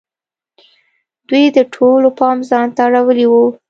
دوی د ټولو پام ځان ته اړولی وو.